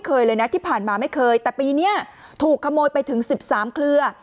เลยนะที่ผ่านมาไม่เคยแต่ปีนี้ถูกขโมยไปถึง๑๓เครือ